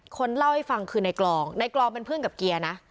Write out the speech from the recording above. คนเล่าให้ฟังคือในกลองในกลองเป็นเพื่อนกับเกียร์นะ